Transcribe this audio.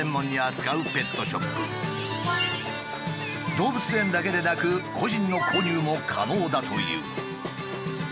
動物園だけでなく個人の購入も可能だという。